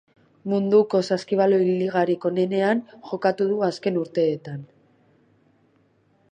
Munduko saskibaloi ligarik onenean jokatu du azken urteetan.